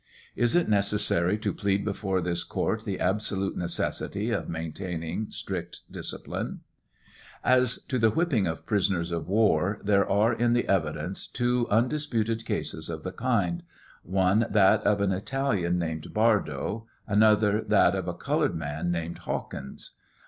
Is it iieces sary to plead before this court the absolute necessity of maintaining strict die cipline ? As to the whipping of prisoners of war, there are in the evidence two undia puted cases of the kind — one that of an Italian named Bardo, another that of i colored man named Hawkins.